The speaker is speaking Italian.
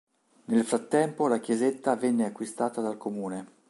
Nel frattempo la chiesetta venne acquistata dal Comune.